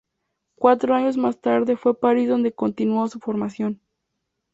Cuatro años más tarde, fue a París donde continuó su formación.